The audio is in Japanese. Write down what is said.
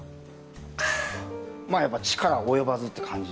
まあやっぱ力及ばずって感じでしたね